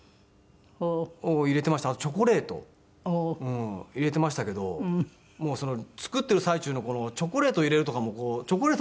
あとチョコレート入れてましたけどもう作ってる最中のチョコレート入れるとかもこうチョコレート